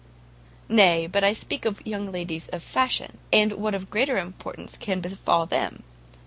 "Nay, I speak but of young ladies of fashion, and what of greater importance can befall them?